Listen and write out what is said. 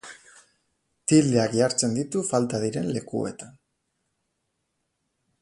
Tildeak jartzen ditu falta diren lekuetan.